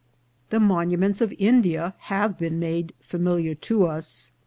The monuments of India have been made familiar to us.